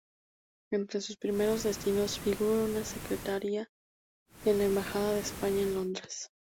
Entre sus primeros destinos figuran una secretaría en la embajada de España en Londres.